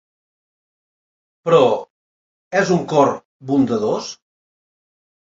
Però, és un cor bondadós?